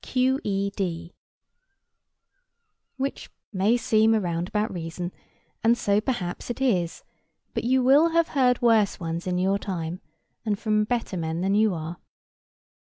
—Q.E.D. [Picture: Man in rain] Which may seem a roundabout reason; and so, perhaps, it is: but you will have heard worse ones in your time, and from better men than you are.